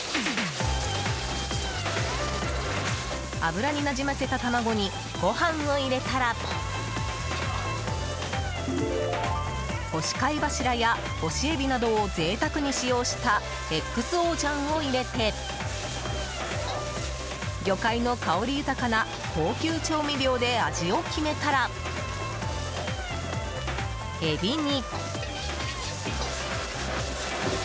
油になじませた卵にご飯を入れたら干し貝柱や干しエビなどを贅沢に使用したＸＯ醤を入れて魚介の香り豊かな高級調味料で味を決めたらエビに。